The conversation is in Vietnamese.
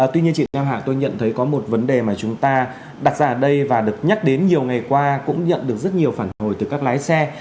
tuy nhiên chị theo ông hạ tôi nhận thấy có một vấn đề mà chúng ta đặt ra ở đây và được nhắc đến nhiều ngày qua cũng nhận được rất nhiều phản hồi từ các lái xe